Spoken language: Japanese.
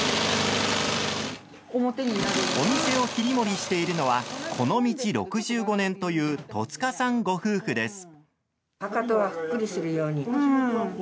お店を切り盛りしているのはこの道６５年という戸塚さんご夫婦です。